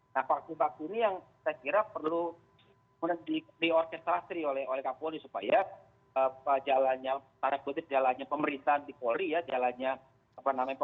nah paksi paksi ini yang saya kira perlu diorkestrasi oleh kapolri supaya jalannya para kutip jalannya pemerintahan di kapolri ya jalannya apa namanya